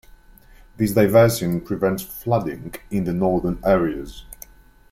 This diversion prevents flooding in the northern areas.